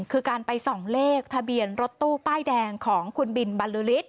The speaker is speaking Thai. คือการไปส่องเลขทะเบียนรถตู้ป้ายแดงของคุณบินบรรลือฤทธ